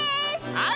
はい。